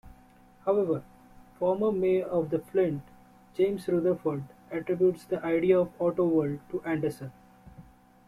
However, former mayor of Flint, James Rutherford, attributes the idea for AutoWorld to Anderson.